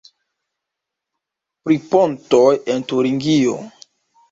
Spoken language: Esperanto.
Pri pontoj en Turingio.